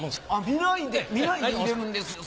見ないで入れるんですよ